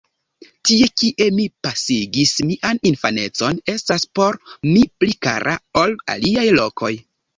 Tie, kie mi pasigis mian infanecon, estas por mi pli kara ol aliaj lokoj.